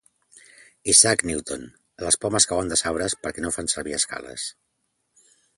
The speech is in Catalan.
Isaac Newton: les pomes cauen dels arbres perquè no fan servir escales.